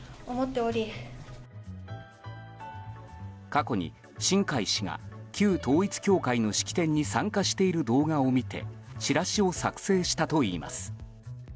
過去に新開氏が旧統一教会の式典に参加している動画を見てチラシを作成したといいます。